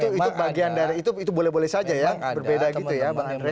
itu bagian dari itu boleh boleh saja ya berbeda gitu ya bang andre